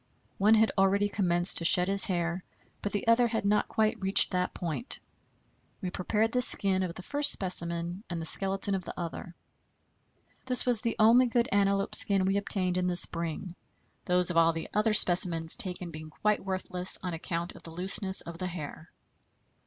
One had already commenced to shed his hair, but the other had not quite reached that point. We prepared the skin of the first specimen and the skeleton of the other. This was the only good antelope skin we obtained in the spring, those of all the other specimens taken being quite worthless on account of the looseness of the hair.